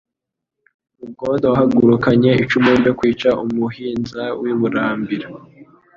Rugondo wahagurukanye icumu ryo kwica umuhinza w'i Burambira,